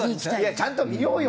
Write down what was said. ちゃんと見ようよ